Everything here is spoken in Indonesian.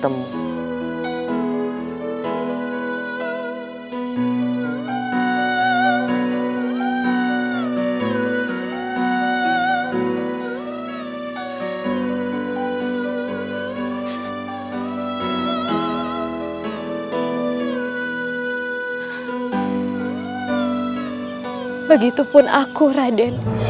tentu saja raden